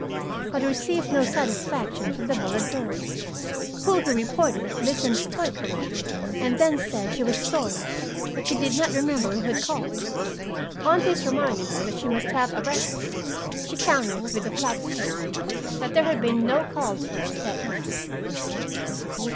But he received no satisfaction from the Bullard girl, who, he reported, listened stoically and then said she was sorry, but she did not remember who had called. On his reminding her that she must have a record, she countered with the flat statement that there had been no call for us that night.